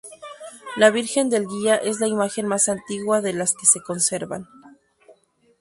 La Virgen del Guía es la imagen más antigua de las que se conservan.